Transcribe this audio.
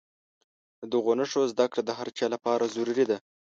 د دغو نښو زده کړه د هر چا لپاره ضروري ده.